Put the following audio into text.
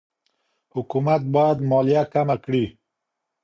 حکومت باید مالیه کمه کړي.